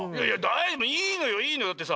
いやいいのよいいのよ。